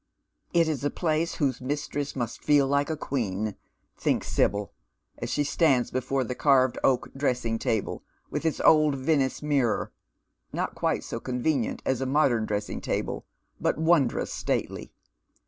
" It is a place whose mistress must feel like a queen," thinks Sibyl, as she stands before the carved oak dressing table, wii.h its old Venice mirror, not quite so convenient as a modern dress ing table, but wondrous stately.